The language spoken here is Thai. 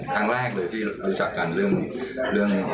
ครั้งแรกเลยที่รู้จักกันเรื่อง